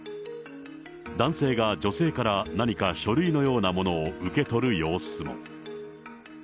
男性が女性から何か書類のようなものを受け取る様子も。